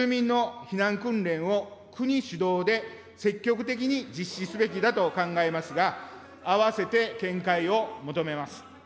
特に先島諸島では、台湾有事を想定し、住民の避難訓練を国主導で積極的に実施すべきだと考えますが、併せて見解を求めます。